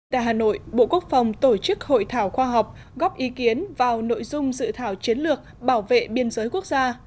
tại hà nội bộ quốc phòng tổ chức hội thảo khoa học góp ý kiến vào nội dung dự thảo chiến lược bảo vệ biên giới quốc gia